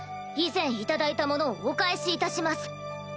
以前頂いたものをお返しいたします。